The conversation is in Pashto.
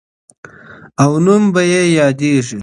او نوم به یې یادیږي.